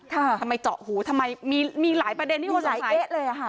ทำไมเจาะหูทำไมมีหลายประเด็นที่คนใส่เป๊ะเลยอ่ะค่ะ